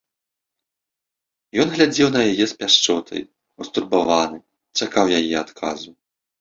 Ён глядзеў на яе з пяшчотай, устурбаваны, чакаў яе адказу.